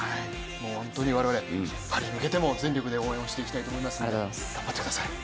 本当に我々、パリに向けても全力で応援していきますので頑張ってください。